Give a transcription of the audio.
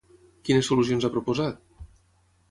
Quines solucions ha proposat?